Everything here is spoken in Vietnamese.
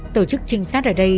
tổ chức trinh sát ở đây